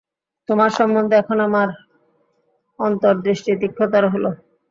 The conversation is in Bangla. তোমার সম্বন্ধে এখন আমার অন্তর্দৃষ্টি তীক্ষ্ণতর হল।